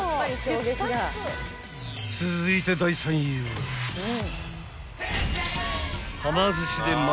［続いて第３位は］